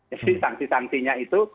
jadi sanksi sanksinya itu